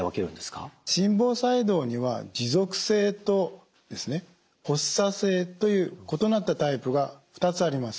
心房細動には持続性と発作性という異なったタイプが２つあります。